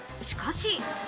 しかし。